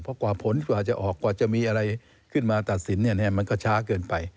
เพราะกว่าผลกว่าจะออกกว่าจะมีอะไรขึ้นมาตัดสินมันก็ช้าเกินไป